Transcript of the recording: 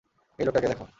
এই লোকটাকে দেখ।